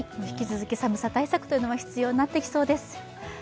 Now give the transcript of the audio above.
引き続き、寒さ対策は必要になってきそうです。